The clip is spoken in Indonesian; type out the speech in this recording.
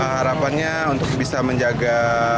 harapannya untuk bisa menjaga